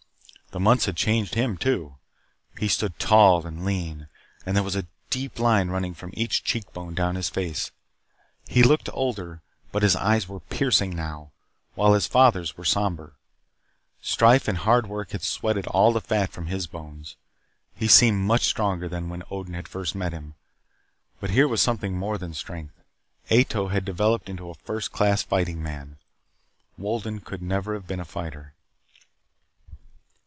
The months had changed him too. He stood tall and lean, and there was a deep line running from each cheekbone down his face. He looked older, but his eyes were piercing now, while his father's were somber. Strife and hard work had sweated all the fat from his bones. He seemed much stronger than when Odin had first met him. But here was something more than strength. Ato had developed into a first class fighting man. Wolden could never have been a fighter.